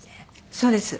そうですね。